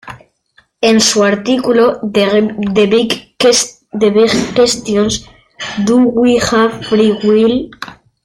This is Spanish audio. En su artículo "The Big Questions: Do we have free will?